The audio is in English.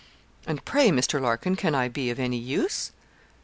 'And pray, Mr. Larkin, can I be of any use?'